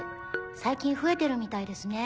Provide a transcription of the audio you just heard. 最近増えてるみたいですね。